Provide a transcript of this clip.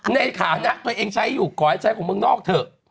ในฐานะตัวเองใช้อยู่ขอให้ใช้ของเมืองนอกเถอะ